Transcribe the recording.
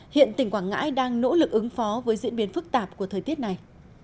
hiện tỉnh quảng ngãi đang nỗ lực ứng phó với diễn biến phức tạp của thời tiết này